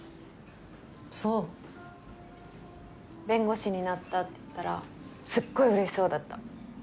弁護士になったって言ったらすごい嬉しそうだった。